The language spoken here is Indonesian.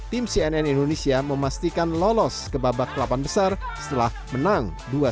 tim cnn indonesia memastikan lolos ke babak delapan besar setelah menang dua satu